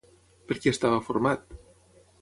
Per qui estava format?